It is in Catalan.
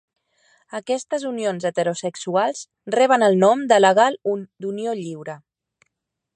Aquestes unions heterosexuals reben el nom legal d'unió lliure.